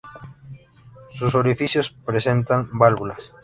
Sus orificios presentan válvulas.